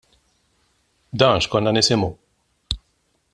Dan x'konna nisimgħu.